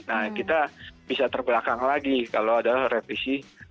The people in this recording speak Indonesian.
nah kita bisa terbelakang lagi kalau ada revisi